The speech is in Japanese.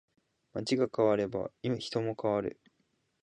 街が変われば人も変わる